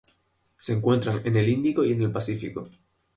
Se encuentran en el Índico y en el Pacífico.